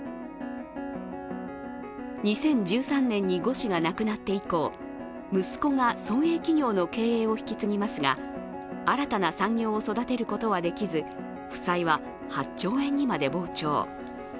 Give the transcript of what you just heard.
２０１３年に呉氏が亡くなって以降、息子が村営企業の経営を引き継ぎますが新たな産業を育てることはできず負債は８兆円にまで膨張。